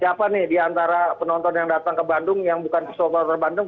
siapa nih diantara penonton yang datang ke bandung yang bukan ke solveloper bandung